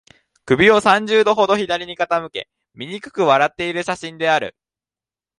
首を三十度ほど左に傾け、醜く笑っている写真である